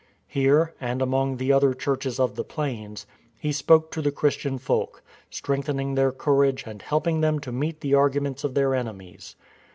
Here, and among the other churches of the plains, he spoke to the Christian folk, strengthening their courage and helping them to meet the arguments of their enemies.